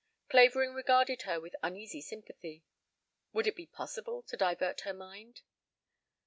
Clavering regarded her with uneasy sympathy. Would it be possible to divert her mind?